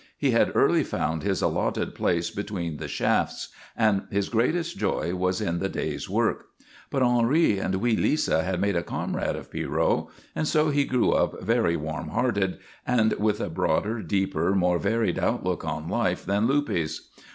He had early found his allotted place between the shafts, and his greatest joy was in the day's work. But Henri and wee Lisa had made a comrade of Pierrot, and so he grew up very warm hearted and with a broader, deeper, more varied outlook on life than Luppe's.